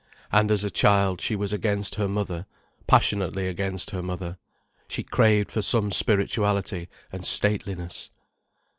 And as a child, she was against her mother, passionately against her mother, she craved for some spirituality and stateliness.